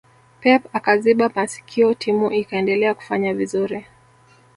pep akaziba masikio timu ikaendelea kufanya vizuri